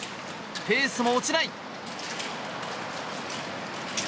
ペースも落ちない。